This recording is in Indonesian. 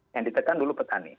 yang ditekan dulu petani